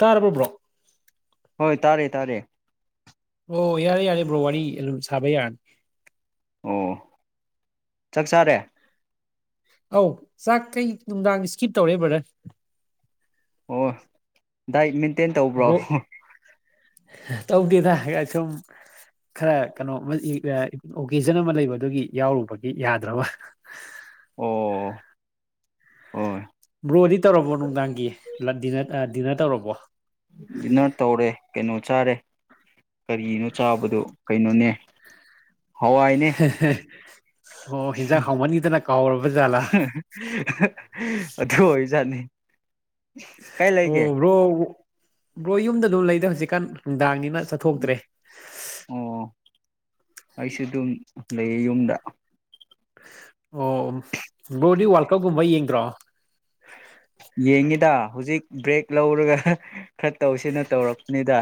ꯇꯥꯔꯕꯣ ꯕ꯭ꯔꯣ ꯍꯣꯏ ꯇꯥꯔꯦ ꯇꯥꯔꯦ ꯑꯣ ꯌꯥꯔꯦ ꯌꯥꯔꯦ ꯕ꯭ꯔꯣ ꯋꯥꯔꯤ ꯑꯗꯨꯝ ꯁꯥꯕ ꯌꯥꯔꯅꯤ ꯑꯣ ꯆꯥꯛ ꯆꯥꯔꯦ ꯑꯧ ꯆꯥꯛ ꯀꯩ ꯅꯨꯡꯗꯥꯡ ꯏꯁꯀꯤꯞ ꯇꯧꯔꯦ ꯕꯔꯗꯥꯔ ꯑꯣ ꯗꯥꯏꯠ ꯃꯦꯟꯇꯦꯟ ꯇꯧꯕ꯭ꯔꯣ ꯕ꯭ꯔꯣ ꯇꯧꯗꯦꯗ ꯁꯨꯝ ꯈꯔ ꯀꯩꯅꯣ ꯑꯣꯀꯦꯖꯟ ꯑꯃ ꯂꯩꯕ ꯑꯗꯨꯒꯤ ꯌꯥꯎꯔꯨꯕꯒꯤ ꯌꯥꯗ꯭ꯔꯕ ꯑꯣ ꯍꯣꯏ ꯕ꯭ꯔꯣꯗꯤ ꯇꯧꯔꯕꯣ ꯅꯨꯡꯗꯥꯡꯒꯤ ꯗꯤꯅꯔ ꯇꯧꯔꯕꯣ ꯗꯤꯟꯅꯔ ꯇꯧꯔꯦ ꯀꯩꯅꯣ ꯆꯥꯔꯦ ꯀꯔꯤꯅꯣ ꯆꯥꯕꯗꯣ ꯀꯩꯅꯣꯅꯦ ꯍꯋꯥꯏꯅꯦ ꯑꯣ ꯌꯦꯟꯁꯥꯡ ꯍꯥꯎꯃꯟꯈꯤꯗꯅ ꯀꯥꯎꯔꯕ ꯖꯥꯠꯂꯥ ꯑꯗꯨ ꯑꯣꯏꯖꯠꯅꯤ ꯑꯣ ꯕ꯭ꯔꯣ ꯕ꯭ꯔꯣ ꯌꯨꯝꯗ ꯑꯗꯨꯝ ꯂꯩꯗ ꯍꯧꯖꯤꯛꯀꯥꯟ ꯅꯨꯡꯗꯥꯡꯅꯤꯅ ꯆꯠꯊꯣꯛꯇ꯭ꯔꯦ ꯑꯣ ꯑꯩꯁꯨ ꯑꯗꯨꯝ ꯂꯩꯌꯦ ꯌꯨꯝꯗ ꯑꯣ ꯕ꯭ꯔꯣ ꯗꯤ ꯋꯥꯔꯀꯞꯒꯨꯝꯕ ꯌꯦꯡꯗ꯭ꯔꯣ ꯌꯦꯡꯉꯤꯗ ꯍꯧꯖꯤꯛ ꯕ꯭ꯔꯦꯛ ꯂꯧꯔꯒ ꯈꯔ ꯇꯧꯁꯤꯅ ꯇꯧꯔꯛꯕꯅꯤꯗ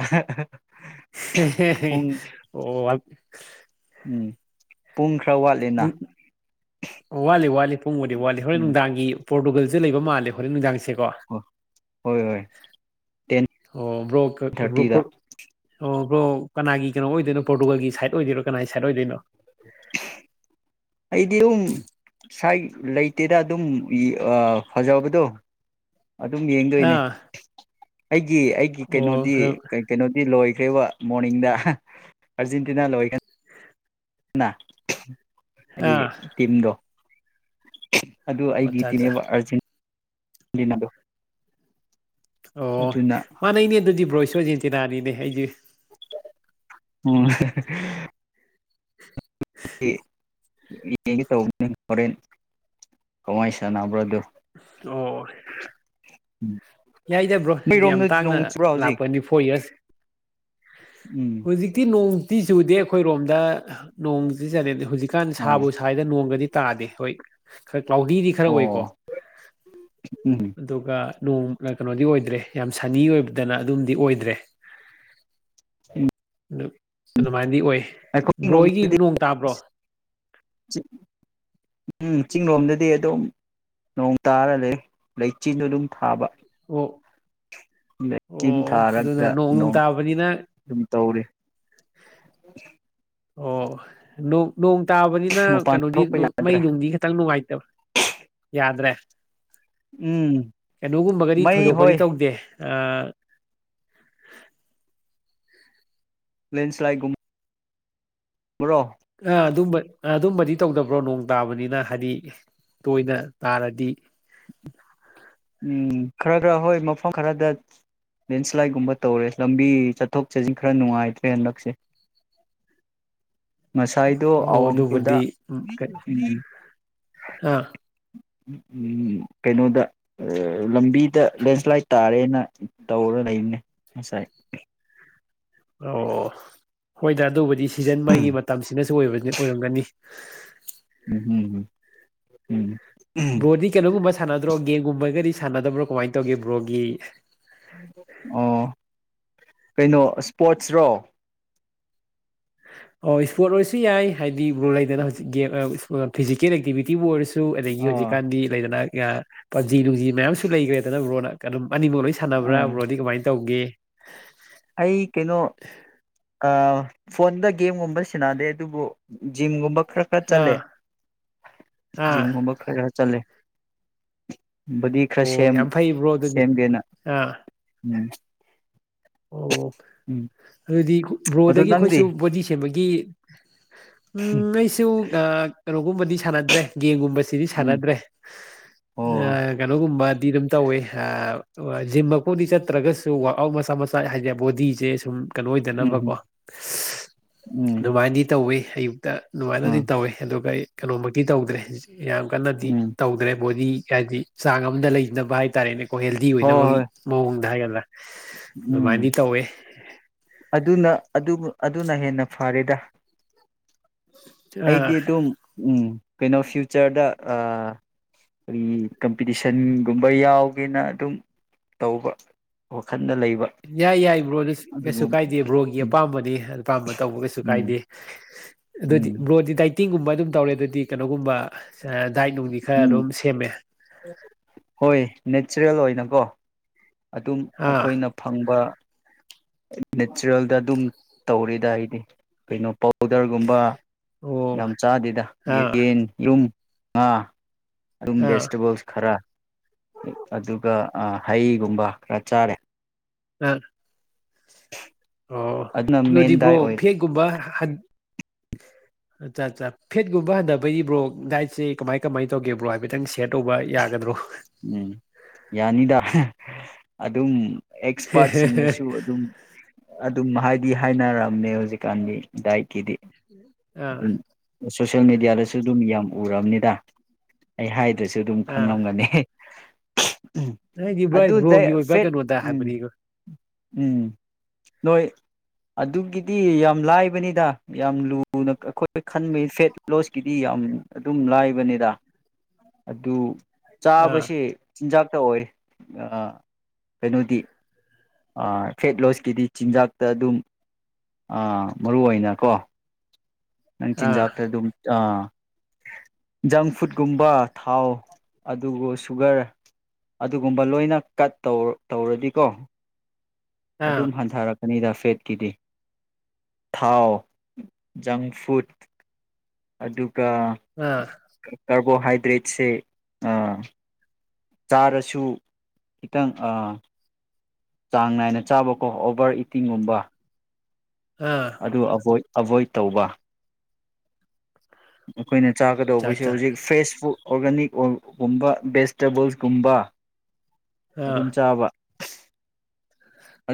ꯑꯣ ꯎꯝ ꯄꯨꯡ ꯈꯔ ꯋꯥꯠꯂꯤ ꯑꯗꯨꯝ ꯋꯥꯠꯂꯤ ꯋꯥꯠꯂꯤ ꯄꯨꯡ ꯕꯨꯗꯤ ꯋꯥꯠꯂꯤ ꯍꯣꯔꯦꯟ ꯎꯝ ꯅꯨꯡꯗꯥꯡꯒꯤ ꯄꯣꯔꯇꯨꯒꯜꯁꯦ ꯂꯩꯕ ꯃꯥꯜꯂꯦ ꯍꯣꯔꯦꯟ ꯅꯨꯡꯗꯥꯡꯁꯦꯀꯣ ꯍꯣꯏ ꯍꯣꯏ ꯍꯣꯏ ꯇꯦꯟ ꯑꯣ ꯕ꯭ꯔꯣ ꯊꯥꯔꯇꯤꯗ ꯑꯣ ꯕ꯭ꯔꯣ ꯀꯅꯥꯒꯤ ꯀꯩꯅꯣ ꯑꯣꯏꯗꯣꯏꯅꯣ ꯄꯣꯔꯇꯨꯒꯜꯒꯤ ꯁꯥꯏꯠ ꯑꯣꯏꯗꯣꯏꯔꯣ ꯀꯅꯥꯒꯤ ꯁꯥꯏꯠ ꯑꯣꯏꯗꯣꯏꯅꯣ ꯑꯩꯗꯤ ꯑꯗꯨꯝ ꯁꯥꯏ ꯂꯩ ꯂꯩꯇꯦꯗ ꯑꯗꯨꯝ ꯐꯖꯕꯗꯣ ꯑꯗꯨꯝ ꯌꯦꯡꯗꯣꯏꯅꯦ ꯑꯥ ꯑꯩꯒꯤ ꯑꯩꯒꯤ ꯑꯣ ꯀꯩꯅꯣꯗꯤ ꯀꯩ ꯀꯩꯅꯣꯗꯤ ꯂꯣꯏꯈ꯭ꯔꯦꯕ ꯃꯣꯔꯅꯤꯡꯗ ꯑꯥꯔꯖꯦꯟꯇꯤꯅꯥ ꯂꯣꯏ ꯅ ꯑꯥ ꯑꯩꯒꯤ ꯇꯤꯝꯗꯣ ꯑꯗꯨ ꯑꯩꯒꯤ ꯑꯠꯆꯥ ꯑꯠꯆꯥ ꯇꯤꯅꯦꯕ ꯑꯥꯔꯖꯦꯟꯗ ꯑꯣ ꯃꯥꯅꯩꯅꯦ ꯑꯗꯨꯗꯤ ꯕ꯭ꯔꯣ ꯑꯩꯁꯨ ꯑꯔꯖꯦꯟꯇꯤꯅꯥꯅꯤꯅꯦ ꯑꯩꯁꯦ ꯎꯝ [unintelligible] ꯌꯦꯡꯒꯦ ꯇꯧꯕꯅꯤ ꯍꯣꯔꯦꯟ ꯀꯃꯥꯏ ꯁꯥꯟꯅꯕ꯭ꯔꯗꯨ ꯑꯣ ꯌꯥꯏꯗ ꯕ꯭ꯔꯣ ꯍꯥꯏꯗꯤ ꯌꯥꯝ ꯇꯥꯡꯅ ꯅꯣꯡ ꯆꯨꯕ꯭ꯔꯥ ꯍꯧꯖꯤꯛ ꯂꯥꯛꯄꯅꯤ ꯐꯣꯔ ꯌꯔꯁ ꯎꯝ ꯍꯧꯖꯤꯛꯇꯤ ꯅꯣꯡꯇꯤ ꯆꯨꯗꯦ ꯑꯩꯈꯣꯏꯔꯣꯝꯗ ꯅꯣꯡꯁꯤ ꯆ ꯍꯧꯖꯤꯛꯀꯥꯟ ꯑꯣ ꯁꯥꯕꯨ ꯁꯗ ꯅꯣꯡꯒꯗꯤ ꯇꯥꯗꯦ ꯍꯣꯏ ꯈꯔ ꯀ꯭ꯂꯥꯎꯗꯤ ꯈꯔ ꯑꯣ ꯑꯣꯏꯀꯣ ꯎꯝ ꯑꯗꯨꯒ ꯅꯣꯡ ꯀꯩꯅꯣꯗꯤ ꯑꯣꯏꯗ꯭ꯔꯦ ꯌꯥꯝ ꯁꯅꯤ ꯑꯣꯏꯕꯗꯅ ꯑꯗꯨꯝꯗꯤ ꯑꯣꯏꯗ꯭ꯔꯦ ꯎꯝ ꯑꯗꯨ ꯑꯗꯨꯃꯥꯏꯅꯗꯤ ꯑꯣꯏ ꯕ꯭ꯔꯣ ꯍꯣꯏꯒꯤ ꯅꯣꯡ ꯇꯥꯕ꯭ꯔꯣ ꯆꯤꯡ ꯆꯤꯡ ꯂꯣꯝꯗꯗꯤ ꯑꯗꯨꯝ ꯅꯣꯡ ꯇꯥꯔ ꯂꯩ ꯂꯩꯆꯤꯟ ꯑꯗꯨꯝ ꯊꯥꯕ ꯑꯣ ꯂꯩꯆꯤꯟ ꯑꯣ ꯑꯗꯨꯅ ꯊꯥꯔꯒ ꯅꯣꯡ ꯅꯨꯡ ꯇꯥꯕꯅꯤꯅ ꯑꯗꯨꯝ ꯇꯧꯔꯤ ꯑꯣ ꯅꯣꯡ ꯇꯥꯕꯅꯤꯅ ꯃꯄꯥꯟ ꯀꯩꯅꯣꯗꯤ ꯊꯣꯛꯄ ꯃꯩ ꯌꯥꯗ꯭ꯔꯦ ꯅꯨꯡꯗꯤ ꯈꯤꯇꯪ ꯅꯨꯡꯉꯥꯏꯇꯕꯥ ꯌꯥꯗ꯭ꯔꯦ ꯎꯝ ꯀꯩꯅꯣꯒꯨꯝꯕꯒꯗꯤ ꯃꯩ ꯊꯣꯏꯗꯣꯛꯄꯗꯤ ꯍꯣꯏ ꯇꯧꯗꯦ [unintelligible] ꯂꯦꯟꯁꯂꯥꯏꯠꯒꯨꯝ ꯕ꯭ꯔꯣ ꯑ ꯑꯗꯨꯝꯕ ꯑꯗꯨꯝꯕꯗꯤ ꯇꯧꯗꯕ꯭ꯔꯣ ꯅꯣꯡ ꯇꯥꯕꯅꯤꯅ ꯍꯥꯏꯗꯤ ꯇꯣꯏꯅ ꯇꯥꯔꯗꯤ ꯎꯝ ꯈꯔ ꯈꯔ ꯍꯣꯏ ꯃꯐꯝ ꯈꯔꯗ ꯂꯦꯟꯁ꯭ꯂꯥꯏꯠꯒꯨꯝꯕ ꯇꯧꯔꯦ ꯂꯝꯕꯤ ꯆꯠꯊꯣꯛ ꯆꯠꯁꯤꯟ ꯈꯔ ꯅꯨꯡꯉꯥꯏꯇ꯭ꯔꯦ ꯍꯟꯗꯛꯁꯦ [unintelligible] ꯉꯁꯥꯏꯗꯣ ꯑꯣ ꯑꯋꯥꯡꯈꯨꯜꯗ ꯑꯗꯨꯕꯨꯗꯤ ꯎ ꯑꯥ ꯎꯝ ꯀꯩꯅꯣꯗ ꯂꯝꯕꯤꯗ ꯂꯦꯟꯁ꯭ꯂꯥꯏꯠ ꯇꯥꯔꯦꯅ ꯇꯧꯔ ꯂꯩꯕꯅꯦ ꯉꯁꯥꯏ ꯑꯣ ꯍꯣꯏꯗꯥ ꯑꯗꯨꯕꯨꯗꯤ ꯁꯤꯖꯟ ꯎꯝ ꯃꯥꯏꯒꯤ ꯃꯇꯝꯁꯤꯅꯁꯨ ꯑꯣꯏꯕ ꯑꯣꯏꯔꯝꯒꯅꯤ ꯎꯝ ꯎꯝ ꯎꯝ ꯕ꯭ꯔꯣꯗꯤ ꯀꯩꯅꯣꯒꯨꯝꯕ ꯁꯥꯟꯅꯗ꯭ꯔꯣ ꯒꯦꯝꯒꯨꯝꯕꯒꯗꯤ ꯁꯥꯟꯅꯗꯕ꯭ꯔꯣ ꯀꯃꯥꯏꯅ ꯇꯧꯒꯦ ꯕ꯭ꯔꯣꯒꯤ ꯑꯣ ꯀꯩꯅꯣ ꯏꯁꯄꯣꯔꯠꯁ ꯔꯣ ꯑꯣ ꯏꯁꯄꯣꯔꯠ ꯑꯣꯏꯔꯁꯨ ꯌꯥꯏ ꯍꯥꯏꯗꯤ ꯕ ꯂꯩꯗꯅ ꯍꯧꯖꯤꯛ ꯒꯦꯝ ꯐꯤꯖꯤꯀꯦꯜ ꯑꯦꯛꯇꯤꯚꯇꯤꯕꯨ ꯑꯣꯏꯔꯁꯨ ꯁꯨ ꯑꯗꯒꯤ ꯑꯥ ꯍꯧꯖꯤꯛꯀꯥꯟꯗꯤ ꯂꯩꯗꯅ ꯄꯞꯖꯤ ꯅꯨꯡꯖꯤ ꯃꯌꯥꯝꯁꯨ ꯂꯩꯈ꯭ꯔꯦꯗꯅ ꯕꯔꯣꯅ ꯑꯗꯨꯝ ꯑꯅꯤꯃꯛ ꯂꯣꯏ ꯁꯥꯟꯅꯕ꯭ꯔꯥ ꯑꯥ ꯕ꯭ꯔꯣꯗꯤ ꯀꯃꯥꯏꯅ ꯇꯧꯒꯦ ꯑꯩ ꯀꯩꯅꯣ ꯐꯣꯟꯗ ꯒꯦꯝꯒꯨꯝꯕ ꯁꯟꯅꯗꯦ ꯑꯗꯨꯕꯨ ꯖꯤꯝꯒꯨꯝꯕ ꯈꯔ ꯈꯔ ꯆꯠꯂꯦ ꯑꯥ ꯑꯥ ꯖꯤꯝꯒꯨꯝꯕ ꯈꯔ ꯆꯠꯂꯦ ꯕꯗꯤ ꯈꯔ ꯑꯣ ꯁꯦꯝ ꯌꯥꯝ ꯐꯩ ꯕ꯭ꯔꯣ ꯑꯗꯨꯗꯤ ꯁꯦꯝꯒꯦꯅ ꯑꯥ ꯎꯝ ꯑꯣ ꯎꯝ ꯑꯗꯨꯗꯤ ꯑꯗꯨ ꯕ꯭ꯔꯣꯗꯒꯤ ꯅꯪꯗꯤ ꯑꯩꯈꯣꯏꯁꯨ ꯕꯣꯗꯤ ꯁꯦꯝꯕꯒꯤ ꯎꯝ ꯑꯩꯁꯨ ꯀꯩꯅꯣꯒꯨꯝꯕꯗꯤ ꯁꯥꯟꯅꯗ꯭ꯔꯦ ꯒꯦꯝꯒꯨꯝꯕ ꯁꯤꯗꯤ ꯎꯝ ꯁꯥꯟꯅꯗ꯭ꯔꯦ ꯑꯣ ꯀꯩꯅꯣꯒꯨꯝꯕꯗꯤ ꯑꯗꯨꯝ ꯇꯧꯋꯦ ꯑ ꯖꯤꯝ ꯃꯈꯨꯗꯤ ꯆꯠꯇ꯭ꯔꯒꯁꯨ ꯋꯥꯛ ꯑꯥꯎꯠ ꯃꯆꯥꯥ ꯃ ꯍꯥꯏꯗꯤ ꯕꯣꯗꯤꯁꯦ ꯁꯨꯝ ꯀꯩꯅꯣ ꯎꯝ ꯑꯣꯏꯗꯅꯕꯀꯣ ꯎꯝ ꯑꯗꯨꯃꯥꯏꯅꯗꯤ ꯇꯧꯋꯤ ꯑꯌꯨꯛꯇ ꯑꯗꯨꯃꯥꯏꯅꯗꯤ ꯎꯝ ꯇꯧꯋꯦ ꯑꯗꯨꯒ ꯑꯩ ꯀꯩꯅꯣꯃꯛꯇꯤ ꯇꯧꯗ꯭ꯔꯦ ꯌꯥꯝ ꯀꯟꯅꯗꯤ ꯎꯝ ꯇꯧꯗ꯭ꯔꯦ ꯕꯣꯗꯤ ꯍꯥꯏꯗꯤ ꯆꯥꯡ ꯑꯃꯝꯗ ꯂꯩꯅꯕ ꯍꯥꯏꯇꯥꯔꯦꯅꯦ ꯍꯦꯜꯗꯤ ꯍꯣꯏ ꯑꯣꯏꯅꯕꯒꯤ ꯍꯣꯏ ꯃꯑꯣꯡꯗ ꯍꯥꯏꯒꯗ꯭ꯔꯥ ꯎꯝ ꯑꯗꯨꯃꯥꯏꯟꯗꯤ ꯇꯧꯋꯦ ꯑꯗꯨꯅ ꯑꯗꯨꯅ ꯍꯦꯟꯅ ꯐꯔꯦꯗ ꯑꯩꯗꯤ ꯑꯥ ꯑꯗꯨꯝ ꯀꯩꯅꯣ ꯐ꯭ꯌꯨꯆꯔꯗ ꯑꯩꯈꯣꯏꯒꯤ ꯀꯝꯄꯤꯇꯤꯁꯟꯒꯨꯝꯕ ꯌꯥꯎꯒꯦꯅ ꯑꯗꯨꯝ ꯇꯧꯕ ꯋꯥꯈꯜꯗ ꯂꯩꯕ ꯌꯥꯏ ꯌꯥꯏ ꯕ꯭ꯔꯣꯗ ꯀꯩꯁꯨ ꯑꯗꯨꯒ ꯀꯥꯏꯗꯦ ꯕ꯭ꯔꯣꯒꯤ ꯎꯝ ꯑꯄꯥꯝꯕꯅꯤ ꯑꯄꯥꯝꯕ ꯇꯧꯕ ꯀꯩꯁꯨ ꯎꯝ ꯀꯥꯏꯗꯦ ꯑꯗꯨꯗꯤ ꯎꯝ ꯕ꯭ꯔꯣꯗꯤ ꯗꯥꯏꯇꯤꯡꯒꯨꯝꯕ ꯑꯗꯨꯝ ꯇꯧꯔꯦ ꯑꯗꯨꯗꯤ ꯀꯩꯅꯣꯒꯨꯝꯕ ꯗꯥꯏꯠ ꯅꯨꯡꯗꯤ ꯈꯔ ꯎꯝ ꯑꯗꯨꯝ ꯁꯦꯝꯃꯦ ꯍꯣꯏ ꯅꯦꯆꯔꯦꯜ ꯑꯣꯏꯅꯀꯣ ꯑꯗꯨꯝ ꯑꯥ ꯑꯩꯈꯣꯏꯅ ꯐꯪꯕ ꯅꯦꯆꯔꯦꯜꯗ ꯑꯗꯨꯝ ꯇꯧꯔꯤꯗ ꯑꯩꯗꯤ ꯀꯩꯅꯣ ꯄꯥꯎꯗꯔꯒꯨꯝꯕ ꯑꯣ ꯌꯥꯝ ꯆꯥꯗꯦꯗ ꯑꯥ ꯌꯦꯟ ꯔꯨꯝ ꯉꯥ ꯑꯗꯨꯝ ꯑꯥ ꯚꯦꯖꯤꯇꯦꯕꯜꯁ ꯈꯔ ꯑꯗꯨꯒ ꯍꯩ ꯒꯨꯝꯕ ꯈꯔ ꯆꯥꯔꯦ [unintelligible] ꯑꯣ ꯑꯗꯨꯅ ꯃꯦꯟ ꯑꯗꯨꯗꯤꯕ꯭ꯔꯣ ꯗꯥꯏ ꯑꯣꯏꯔꯦ ꯐꯦꯛꯒꯨꯝꯕ ꯑꯠꯆꯥ ꯑꯠꯆꯥ ꯐꯦꯠꯀꯨꯝꯕ ꯍꯟꯗꯕꯩꯗꯤ ꯕ꯭ꯔꯣ ꯗꯥꯏꯠꯁꯦ ꯀꯃꯥꯏ ꯀꯃꯥꯏꯅ ꯇꯧꯒꯦꯕ꯭ꯔꯣ ꯍꯥꯏꯐꯦꯠꯇꯪ ꯁ꯭ꯌꯥꯔ ꯇꯧꯕ ꯌꯥꯒꯗ꯭ꯔꯣ ꯎꯝ ꯌꯥꯅꯤꯗ ꯑꯗꯨꯝ ꯑꯦꯛꯁꯄꯥꯔꯠꯁꯤꯡꯅꯁꯨ ꯑꯗꯨꯝ ꯑꯗꯨꯝ ꯍꯥꯏꯗꯤ ꯍꯥꯏꯅꯔꯝꯅꯦ ꯍꯧꯖꯤꯛꯀꯥꯟꯒꯤ ꯗꯥꯏꯠꯀꯤꯗꯤ ꯎꯝ ꯁꯣꯁꯦꯜ ꯃꯦꯗꯤꯌꯥꯗꯁꯨ ꯑꯗꯨꯝ ꯌꯥꯝ ꯎꯔꯕꯅꯤꯗ ꯑꯩ ꯍꯥꯏꯗ꯭ꯔꯁꯨ ꯑꯗꯨꯝ ꯑꯥ ꯈꯪꯂꯝꯒꯅꯤ ꯍꯥꯏꯗꯤ ꯕ꯭ꯔꯣ ꯑꯗꯨꯗꯩ ꯕ꯭ꯔꯣꯒꯤ ꯑꯣꯏꯕ ꯐꯦꯠ ꯀꯩꯅꯣꯗ ꯎꯝ ꯍꯥꯏꯕꯅꯤꯀꯣ ꯎꯝ ꯅꯣꯏ ꯑꯗꯨꯒꯤꯗꯤ ꯌꯥꯝ ꯂꯥꯏꯕꯅꯤꯗ ꯌꯥꯝ ꯂꯨ ꯂꯨꯅ ꯈꯣꯏ ꯈꯟꯕꯩ ꯐꯦꯠ ꯂꯣꯁꯀꯤꯗꯤ ꯌꯥꯝ ꯑꯗꯨꯝ ꯂꯥꯏꯕꯅꯤꯗ ꯑꯗꯨ ꯑꯥ ꯆꯥꯕꯁꯦ ꯆꯤꯟꯖꯥꯛꯇ ꯑꯣꯏ ꯑ ꯀꯩꯅꯣꯗꯤ ꯐꯦꯠ ꯂꯣꯁꯀꯤꯗꯤ ꯆꯤꯟꯖꯥꯛꯇ ꯑꯗꯨꯝ ꯑ ꯃꯔꯨ ꯑꯣꯏꯅꯀꯣ ꯅꯪ ꯑꯥ ꯆꯤꯟꯖꯥꯛꯇ ꯑꯗꯨꯝ ꯑ ꯖꯪꯐꯨꯠꯀꯨꯝꯕ ꯊꯥꯎ ꯑꯗꯨꯒ ꯁꯨꯒꯔ ꯑꯗꯨꯒꯨꯝꯕ ꯂꯣꯏꯅ ꯀꯠ ꯇꯧ ꯇꯧꯔꯗꯤꯀꯣ ꯑꯥ ꯑꯗꯨꯝ ꯍꯟꯊꯔꯛ ꯑꯅꯤꯗ ꯐꯦꯠꯀꯤꯗꯤ ꯊꯥꯎ ꯖꯪ ꯐꯨꯗ ꯑꯗꯨꯒ ꯑꯥ ꯀꯥꯔꯕꯣꯍꯥꯏꯗ꯭ꯔꯦꯠꯁꯦ ꯑ ꯆꯥꯔꯁꯨ ꯈꯤꯇꯪ ꯆꯥꯡ ꯅꯥꯏꯅ ꯆꯥꯕꯀꯣ ꯑꯣꯚꯔ ꯏꯇꯤꯡꯒꯨꯝꯕ ꯑꯥ ꯑꯗꯨ ꯑꯕꯣꯏꯠ ꯑꯕꯣꯏꯠ ꯇꯧꯕ ꯑꯩꯈꯣꯏꯅ ꯑꯠꯆꯥ ꯆꯥꯒꯗꯧꯕꯁꯦ ꯑꯠꯆꯥ ꯍꯧꯖꯤꯛ ꯐ꯭ꯔꯦꯁ ꯐꯨ ꯑꯣꯔꯒꯥꯅꯤꯛꯒꯨꯝꯕ ꯚꯦꯖꯤꯇꯦꯕꯜꯁꯒꯨꯝꯕ ꯑꯥ ꯑꯗꯨꯝ ꯆꯥꯕ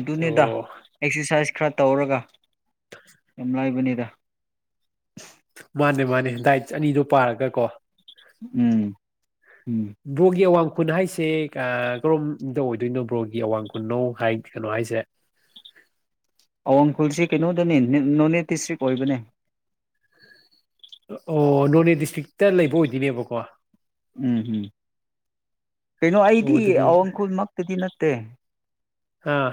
ꯑꯗꯨꯅꯤꯗ ꯑꯣ ꯑꯦꯛꯁꯔꯁꯥꯏꯁ ꯈꯔ ꯇꯧꯔꯒ ꯅꯨꯡꯉꯥꯢꯕꯅꯦꯍꯦ ꯃꯥꯅꯦ ꯃꯥꯅꯦ ꯗꯥꯏꯠ ꯑꯅꯤꯗꯣ ꯄꯥꯔꯒ ꯀꯣ ꯎꯝ ꯎꯝ ꯕ꯭ꯔꯣꯒꯤ ꯑꯋꯥꯡ ꯈꯨꯟ ꯍꯥꯏꯁꯦ ꯀꯔꯣꯝꯗ ꯑꯣꯏꯗꯣꯏꯅꯣ ꯕ꯭ꯔꯣꯒꯤ ꯑꯋꯥꯡ ꯈꯨꯟꯅꯣ ꯍꯥꯏ ꯀꯩꯅꯣ ꯍꯥꯏꯁꯦ ꯑꯋꯥꯡ ꯈꯨꯜꯁꯤ ꯀꯩꯅꯣꯗꯅꯤ ꯅꯣꯅꯦꯠ ꯗꯤꯁꯇ꯭ꯔꯤꯛ ꯑꯣꯏꯕꯅꯦ ꯑꯣ ꯅꯣꯅꯦ ꯗꯤꯁꯇ꯭ꯔꯤꯛꯇ ꯂꯩꯕ ꯑꯣꯏꯗꯣꯏꯅꯦꯕꯀꯣ ꯎꯝ ꯎꯝ ꯀꯩꯅꯣ ꯑꯣ ꯑꯩꯗꯤ ꯑꯗꯨꯗꯤ ꯑꯋꯥꯡꯈꯨꯜꯃꯛꯇꯗꯤ ꯅꯠꯇꯦ ꯑꯥ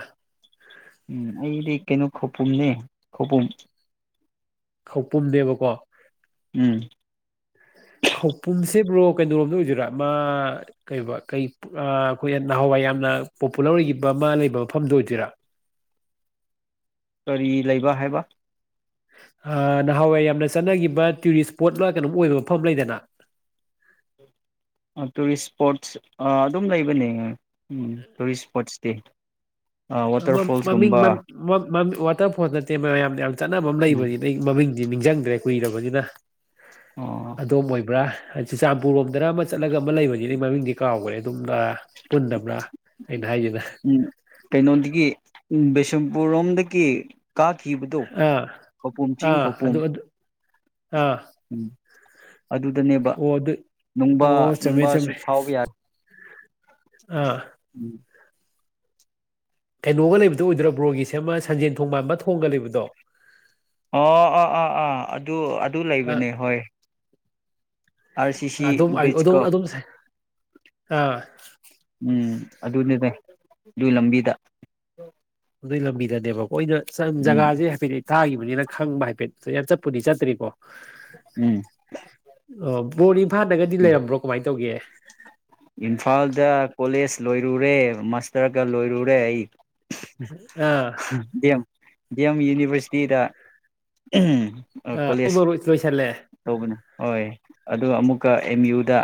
ꯎꯝ ꯑꯩꯗꯤ ꯀꯩꯅꯣ ꯈꯧꯄꯨꯝꯅꯦ ꯈꯧꯄꯨꯝ ꯈꯧꯄꯨꯝꯅꯦꯕꯀꯣ ꯎꯝ ꯈꯧꯄꯨꯝꯁꯦ ꯕ꯭ꯔꯣ ꯀꯩꯅꯣꯔꯣꯝꯗ ꯑꯣꯏꯗꯨꯏꯔꯥ ꯑꯃꯥ ꯀꯩ ꯀꯩ ꯑꯩꯈꯣꯏ ꯅꯍꯥꯟꯋꯥꯏ ꯌꯥꯝꯅ ꯄꯣꯄꯨꯂꯔ ꯑꯣꯏꯈꯤꯕ ꯑꯃ ꯂꯩꯕ ꯃꯐꯝꯗꯨ ꯑꯣꯏꯗꯣꯏꯔꯥ ꯀꯔꯤ ꯂꯩꯕ ꯍꯥꯏꯕ ꯅꯍꯥꯟꯋꯥꯏ ꯌꯥꯝꯅ ꯆꯠꯅꯈꯤꯕ ꯇꯨꯔꯤꯁ ꯏꯁꯄꯣꯠ ꯑꯃ ꯀꯩꯅꯣꯝ ꯑꯣꯏꯕ ꯃꯐꯝ ꯂꯩꯗꯅ ꯑꯗꯨꯒꯤ ꯇꯨꯔꯤꯁ ꯏꯁꯄꯣꯠꯁ ꯑꯗꯨꯝ ꯂꯩꯕꯅꯦ ꯎꯝ ꯇꯨꯔꯤꯁ ꯏꯁꯄꯣꯠꯁ ꯑꯦ ꯃꯃꯤꯡ ꯋꯥꯇꯔ ꯐꯣꯜ ꯅꯠꯇꯦ ꯃꯌꯥꯝꯅ ꯌꯥꯝ ꯆꯠꯅꯕ ꯑꯃ ꯂꯩꯕꯅꯦ ꯑꯗꯩ ꯃꯃꯤꯡꯗꯤ ꯅꯤꯡꯁꯤꯡꯗ꯭ꯔꯦ ꯀꯨꯏꯔꯕꯅꯤꯅ ꯑꯣ ꯑꯗꯣꯝ ꯑꯣꯏꯕ꯭ꯔꯥ ꯆꯨꯔꯆꯥꯟꯄꯨꯔ ꯂꯣꯝꯗꯅ ꯑꯃ ꯆꯠꯂꯒ ꯑꯃ ꯂꯩꯕꯅꯤꯅꯦ ꯃꯃꯤꯡꯗꯤ ꯀꯥꯎꯈ꯭ꯔꯦ ꯑꯗꯨꯝ ꯄꯨꯟꯗꯕ꯭ꯔꯥ ꯑꯩꯅ ꯍꯥꯏꯁꯤꯅ ꯎꯝ ꯀꯩꯅꯣꯗꯒꯤ ꯕꯤꯁꯦꯝꯄꯨꯔ ꯔꯣꯝꯗꯒꯤ ꯀꯥꯈꯤꯕꯗꯣ ꯑꯥ ꯈꯧꯄꯨꯝ ꯆꯤꯡ ꯑꯥ ꯈꯧꯄꯨꯝ ꯑꯗꯨ ꯑꯥ ꯎꯝ ꯑꯗꯨꯗꯅꯦꯕ ꯑꯣ ꯑꯗꯨ ꯅꯨꯡꯕꯥ ꯑꯣ ꯆꯨꯝꯃꯦ ꯅꯨꯡꯕꯥꯁꯨ ꯆꯨꯝꯃꯦ ꯐꯥꯎꯕ ꯌꯥꯔꯦ ꯑꯥ ꯎꯝ ꯀꯩꯅꯣꯒ ꯂꯩꯕꯗꯣ ꯑꯣꯏꯗ꯭ꯔꯕ꯭ꯔꯣꯒꯤꯁꯦꯃ ꯁꯟꯖꯦꯟ ꯊꯣꯡ ꯃꯥꯟꯕꯗꯣ ꯊꯣꯡꯒ ꯂꯩꯕꯗꯣ ꯑꯣ ꯑꯥ ꯑꯥ ꯑꯥ ꯑꯗꯨ ꯑꯗꯨ ꯂꯩꯕꯅꯦ ꯍꯣꯏ ꯑꯥꯔ ꯁꯤ ꯁꯤ ꯑꯗꯨꯝ ꯕ꯭ꯔꯤꯁ ꯒꯣ ꯑꯗꯨꯝ ꯑꯗꯨꯝ ꯑꯥ ꯎꯝ ꯑꯗꯨꯅꯤꯅꯦ ꯑꯗꯨꯢ ꯂꯝꯕꯤꯗ ꯑꯗꯨꯒꯤ ꯂꯝꯕꯤꯗꯅꯦꯕꯀꯣ ꯎꯝ ꯖꯒꯥꯁꯦ ꯍꯥꯏꯐꯦꯠ ꯇꯥꯒꯤꯕꯅꯤꯅ ꯈꯪꯕ ꯍꯥꯏꯐꯦꯠ ꯌꯥꯝ ꯆꯠꯄꯨꯗꯤ ꯆꯠꯇ꯭ꯔꯤꯀꯣ ꯎꯝ ꯑꯣ ꯕꯣꯔ ꯏꯝꯐꯥꯜꯗꯒꯗꯤ ꯎꯝ ꯂꯩꯔꯝꯕ꯭ꯔꯣ ꯀꯃꯥꯏꯅ ꯇꯧꯒꯦ ꯏꯝꯐꯥꯜꯗ ꯀꯣꯂꯦꯖ ꯂꯣꯏꯔꯨꯔꯦ ꯃꯥꯔꯇꯥꯔ ꯒ ꯂꯣꯏꯔꯨꯔꯦ ꯑꯩ ꯑꯥ ꯗꯤ ꯑꯦꯝ ꯌꯨꯅꯤꯚꯔꯁꯤꯇꯤꯗ ꯑꯥ ꯀꯣꯂꯦꯖ ꯕꯨ ꯂꯣꯏꯁꯜꯂꯦ ꯇꯧꯕꯅꯦ ꯍꯣꯏ ꯑꯗꯨꯒ ꯑꯃꯨꯛꯀ ꯑꯦꯝ ꯌꯨꯗ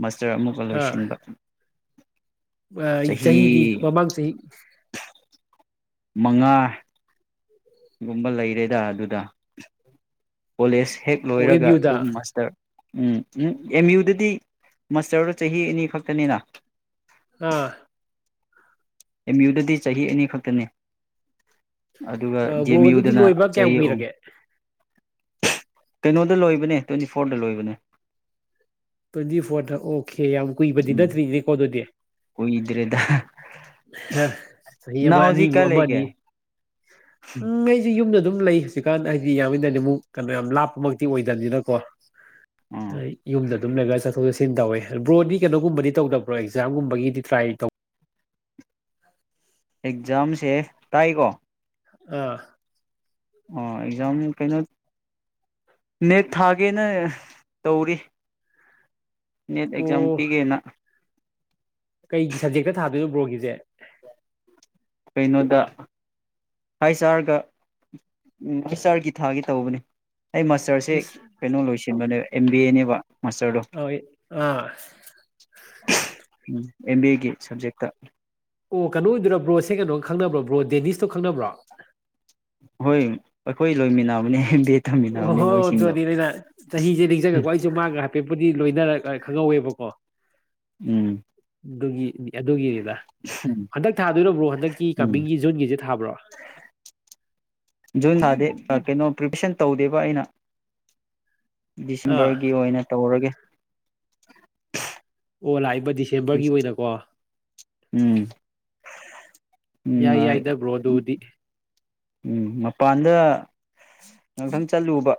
ꯃꯥꯁꯇꯔ ꯑꯃꯨꯛꯀ ꯑꯥ ꯂꯣꯏꯁꯤꯟꯕ ꯆꯍꯤꯗꯤ ꯆꯍꯤ ꯃꯃꯥꯡ ꯆꯍꯤ ꯃꯉꯥ ꯒꯨꯝꯕ ꯂꯩꯔꯦꯗ ꯑꯗꯨꯗ ꯀꯣꯂꯦꯖ ꯍꯦꯛ ꯑꯣ ꯑꯦꯝ ꯂꯣꯏꯔꯒ ꯌꯨꯗ ꯑꯗꯨꯝꯁ ꯇꯔ ꯎꯝ ꯎꯝ ꯑꯦꯝ ꯌꯨꯗꯗꯤ ꯃꯥꯁꯇꯔꯗꯣ ꯆꯍꯤ ꯑꯅꯤ ꯈꯛꯇꯅꯤꯅ ꯑꯥ ꯑꯦꯝ ꯌꯨꯗꯗꯤ ꯆꯍꯤ ꯑꯅꯤ ꯈꯛꯇꯅꯤ ꯑꯗꯨꯒ ꯗꯤ ꯑꯦꯝ ꯕ꯭ꯔꯣ ꯑꯗꯨꯗꯤ ꯌꯨꯗꯅ ꯂꯣꯏꯕ ꯀꯌꯥꯝ ꯆꯍꯤ ꯑꯍꯨꯝ ꯀꯨꯏꯔꯒꯦ ꯀꯩꯅꯣꯗ ꯂꯣꯏꯕꯅꯦ ꯇ꯭ꯋꯦꯟꯇꯤ ꯐꯣꯔꯗ ꯂꯣꯏꯕꯅꯦ ꯇ꯭ꯋꯦꯟꯇꯤ ꯐꯣꯔꯗ ꯑꯣꯀꯦ ꯌꯥꯝ ꯀꯨꯏꯕꯗꯤ ꯅꯠꯇ꯭ꯔꯤꯅꯦꯀꯣ ꯑꯗꯨꯗꯤ ꯀꯣꯏꯗ꯭ꯔꯦꯗ ꯆꯍꯤ ꯑꯃ ꯍꯧꯖꯤꯛ ꯑꯅꯤꯕꯨ ꯀꯥꯏ ꯂꯩꯒꯦ ꯑꯃꯅꯤꯅꯤ ꯎꯝ ꯑꯩꯁꯨ ꯌꯨꯝꯗ ꯑꯗꯨꯝ ꯂꯩ ꯆꯤꯛꯀꯥꯟ ꯍꯥꯏꯗꯤ ꯌꯥꯝꯃꯤꯗꯅꯤ ꯑꯃꯨꯛ ꯀꯩꯅꯣ ꯌꯥꯝ ꯂꯥꯞꯄꯃꯛꯇꯤ ꯑꯣꯏꯗꯅꯤꯅꯀꯣ ꯑꯥ ꯌꯨꯝꯗ ꯑꯗꯨꯝ ꯂꯩꯒ ꯆꯠꯊꯣꯛ ꯆꯠꯁꯤꯟ ꯇꯧꯋꯦ ꯕ꯭ꯔꯣꯗꯤ ꯀꯩꯅꯣꯒꯨꯝꯕꯗꯤ ꯇꯧꯗꯕ꯭ꯔꯣ ꯑꯦꯛꯖꯥꯝꯒꯨꯝꯕꯒꯤꯗꯤ ꯇ꯭ꯔꯥꯏ ꯇꯧ ꯑꯦꯛꯖꯥꯝꯁꯦ ꯇꯥꯏꯀꯣ ꯑꯥ ꯑꯣ ꯑꯦꯛꯖꯥꯝ ꯀꯩꯅꯣ ꯅꯦꯛ ꯊꯥꯒꯦꯅ ꯇꯧꯔꯤ ꯅꯦꯠ ꯑꯣ ꯑꯦꯛꯖꯥꯝ ꯄꯤꯒꯦꯅꯥ ꯀꯩꯒꯤ ꯁꯞꯖꯦꯛꯇ ꯊꯥꯗꯣꯏꯅꯣ ꯕ꯭ꯔꯣꯒꯤꯁꯦ ꯀꯩꯅꯣꯗ ꯍꯥꯏ ꯆꯥꯔꯒ ꯍꯥꯏ ꯆꯥꯔꯒꯤ ꯊꯥꯒꯤ ꯇꯧꯕꯅꯤ ꯑꯩ ꯇꯔꯁꯦ ꯑꯩꯁ ꯀꯩꯅꯣ ꯂꯣꯏꯁꯤꯟꯕꯅꯦꯕ ꯑꯦꯝ ꯕꯤ ꯑꯦꯅꯦꯕ ꯃꯥꯁꯇꯔꯗꯣ [unintelligible] ꯑ ꯎꯝ ꯑꯦꯝ ꯕꯤ ꯑꯦꯒꯤ ꯁꯕꯖꯦꯛꯇ ꯑꯣ ꯀꯩꯅꯣ ꯑꯣꯏꯗꯨꯏ ꯕ꯭ꯔꯣꯁꯦ ꯀꯩꯅꯣ ꯈꯪꯅꯕ꯭ꯔꯣ ꯕ꯭ꯔꯣ ꯗꯦꯅꯤꯁꯇꯣ ꯈꯪꯅꯕ꯭ꯔꯣ ꯍꯣꯏ ꯑꯩꯈꯣꯏ ꯂꯣꯏꯃꯤꯟꯅꯕꯅꯦ ꯇꯝꯃꯤꯟꯅꯕꯅꯦ ꯑꯣꯍꯣꯏ ꯍꯣꯏ ꯃꯣꯏꯁꯤꯡꯗꯣ ꯑꯗꯨꯗꯤ ꯅꯩꯅ ꯆꯍꯤꯁꯦ ꯅꯤꯡꯁꯤꯡꯉꯦꯀꯣ ꯑꯩꯁꯨ ꯃꯥꯡꯉꯒ ꯍꯥ ꯄꯦꯛꯄꯨꯗꯤ ꯂꯣꯏꯅꯔ ꯈꯪꯍꯧꯋꯦꯕꯀꯣ ꯎꯝ ꯑꯗꯨꯒꯤꯅꯤ ꯑꯗꯨꯒꯤꯅꯤꯗ ꯍꯟꯗꯛ ꯊꯥꯗꯣꯏꯔꯕ꯭ꯔꯣ ꯍꯟꯗꯛꯀꯤ ꯎꯝ ꯀꯃꯤꯡꯒꯤ ꯖꯨꯟꯒꯤꯁꯦ ꯊꯥꯕ꯭ꯔꯣ ꯖꯨꯟ ꯅꯥꯗꯦ ꯀꯩꯅꯣ ꯄ꯭ꯔꯤꯄꯦꯁꯟ ꯇꯧꯗꯦꯕ ꯑꯩꯅ ꯑꯥ ꯗꯤꯁꯦꯝꯕꯔꯒꯤ ꯑꯣꯏꯅ ꯇꯧꯔꯒꯦ ꯑꯣ ꯂꯥꯛꯏꯕ ꯗꯤꯁꯦꯝꯕꯔꯒꯤ ꯑꯣꯏꯅꯀꯣ ꯎꯝ ꯎꯝ ꯌꯥꯏ ꯌꯥꯏ ꯕꯔꯣꯗ ꯎꯗꯤ ꯎꯝ ꯃꯄꯥꯟꯗ ꯉꯪꯊꯪ ꯆꯠꯂꯨꯕ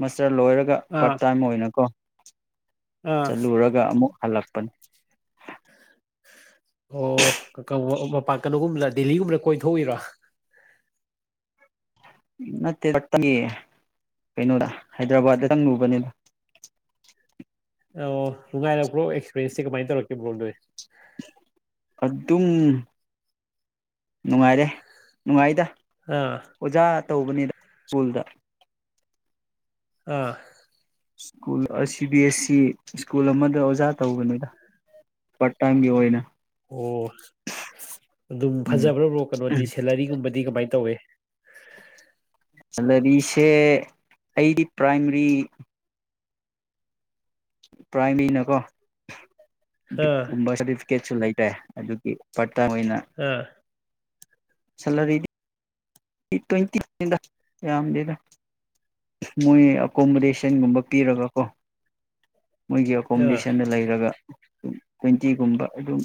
ꯃꯁꯇꯔ ꯂꯣꯏꯔꯒ ꯄꯥꯔꯠ ꯑꯥ ꯇꯤꯏꯝ ꯑꯣꯏꯅ ꯀꯣ ꯑꯥ ꯆꯠꯂꯨꯔꯒ ꯑꯃꯨꯛ ꯍꯜꯂꯛꯄꯅꯤ ꯑꯣ ꯃꯄꯥꯟ ꯀꯩꯅꯣꯒꯨꯝꯕꯂ ꯗꯦꯜꯂꯤꯒꯨꯝꯕꯅ ꯀꯣꯏꯊꯣꯛꯏꯔꯥ ꯅꯠꯇ [unintelligible] ꯀꯩꯅꯣꯗ ꯍꯥꯏꯗ꯭ꯔꯕꯥ ꯆꯪ ꯂꯨꯕꯅꯤꯗ ꯑꯣ ꯉꯥꯏꯔꯄ꯭ꯔꯣꯛꯁꯄꯤꯔꯦꯟꯁꯦ ꯀꯃꯥꯏꯅ ꯇꯧꯔꯛꯀ ꯕꯣꯗꯣꯏ ꯑꯗꯨꯝ ꯅꯨꯡꯉꯥꯏꯔꯦ ꯅꯨꯡꯉꯥꯏꯗ ꯑꯥ ꯑꯣꯖꯥ ꯇꯧꯕꯅꯤꯗ ꯁ꯭ꯀꯨꯜꯗ ꯑꯥ school C B C school ꯑꯃꯗ ꯑꯣꯖꯥ ꯇꯧꯕꯅꯤꯗ ꯄꯔꯠꯇꯥꯏꯝꯒꯤ ꯑꯣꯏꯅ ꯑꯣ ꯑꯗꯨꯝ ꯎꯝ ꯐꯖꯕ꯭ꯔꯕ꯭ꯔꯣ ꯀꯩꯅꯣꯗꯤ ꯁꯦꯂꯔꯤꯒꯨꯝꯕꯗꯤ ꯀꯃꯥꯏꯅ ꯇꯧꯋꯦ ꯁꯦꯂꯔꯤꯁꯦ ꯑꯩꯗꯤ ꯄ꯭ꯔꯥꯏꯃꯔꯤ ꯄ꯭ꯔꯥꯏ ꯃꯤꯅꯀꯣ ꯑꯥ ꯇꯤꯀꯦꯠꯁꯨ ꯂꯩꯇꯦ ꯑꯗꯨꯒꯤ ꯄꯥꯔꯠ ꯇꯥꯏꯝ ꯑꯣꯏꯅ ꯑꯥ ꯁꯦꯂꯔꯤꯗꯤ ꯇ꯭ꯋꯦꯟꯇꯤꯗ ꯌꯥꯝꯗꯦꯗ ꯃꯣꯏ ꯑꯦꯀꯣꯃꯣꯗꯦꯁꯟꯒꯨꯝꯕ ꯄꯤꯔꯒ ꯀꯣ ꯃꯣꯏꯒꯤ ꯑꯥ ꯑꯦꯀꯣꯃꯣꯗꯦꯁꯟꯗ ꯂꯩꯔꯒ ꯇ꯭ꯋꯦꯟꯇꯤꯒꯨꯝꯕ ꯑꯗꯨꯝ